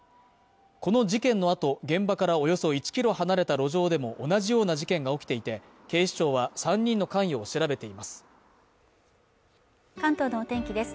この事件のあと現場からおよそ１キロ離れた路上でも同じような事件が起きていて警視庁は３人の関与を調べています